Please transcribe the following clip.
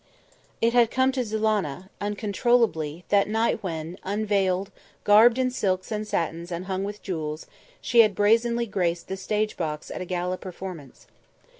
It had come to Zulannah, uncontrollably, that night when, unveiled, garbed in silks and satins and hung with jewels, she brazenly graced the stage box at a gala performance.